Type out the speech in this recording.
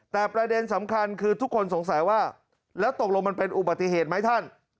แต่ประเด็นสำคัญคือทุกคนสงสัยว่าแล้วตกลงมันเป็นอุบัติเหตุไหมท่าน